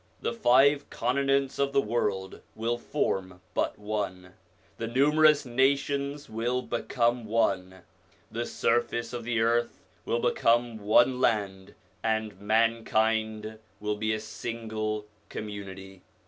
The five continents of the world will form but one, the numerous nations will become one, the surface of the earth will become one land, and mankind will be a single community.